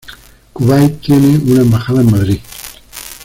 Kuwait tiene una embajada en Madrid.